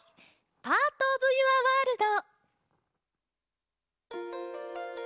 「パート・オブ・ユア・ワールド」。